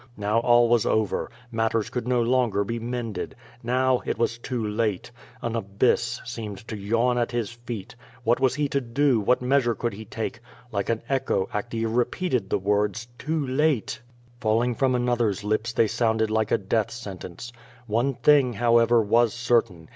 Now all was over; matters could no longer be mended. Now it was too late. An abyss seemed to yawn at his feet. What was he to do, what meas ures could he take? Like an echo Actea repeated the words "too late.*' Falling from another's lips they sounded like a death sentence. One thing, however, was certain.